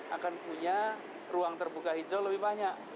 akan punya ruang terbuka hijau lebih banyak